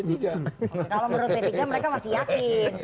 kalau menurut p tiga mereka masih yakin